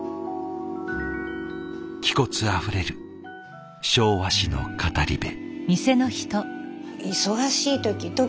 気骨あふれる昭和史の語り部。